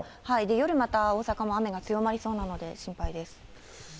夜また大阪も雨が強まりそうなので心配です。